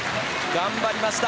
頑張りました。